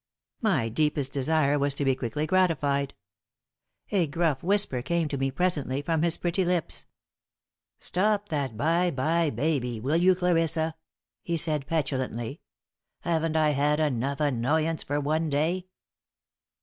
My deepest desire was to be quickly gratified. A gruff whisper came to me presently from his pretty lips. "Stop that 'bye bye, baby,' will you, Clarissa?" he said, petulantly. "Haven't I had enough annoyance for one day?"